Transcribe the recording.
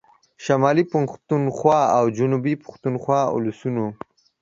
شمالي پښتونخوا او جنوبي پښتونخوا ولسونو